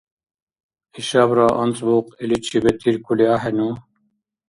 Ишабра анцӀбукь иличи бетиркули ахӀену?